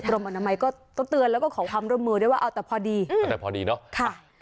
อนามัยก็ต้องเตือนแล้วก็ขอความร่วมมือด้วยว่าเอาแต่พอดีแต่พอดีเนาะ